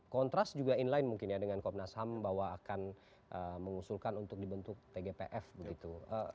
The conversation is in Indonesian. kontras juga inline mungkin ya dengan komnas ham bahwa akan mengusulkan untuk dibentuk tgpf begitu